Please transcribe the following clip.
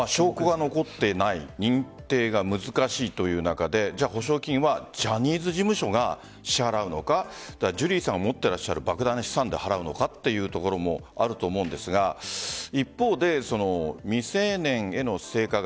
証拠が残っていない認定が難しいという中で補償金はジャニーズ事務所が支払うのかジュリーさんが持っていらっしゃる莫大な資産で払うのかというのもあると思うんですが一方で未成年への性加害